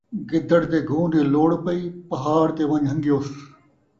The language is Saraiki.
گدڑ دے گھوں دی لوڑ پئی ، پہاڑ تے ون٘ڄ ہن٘گیس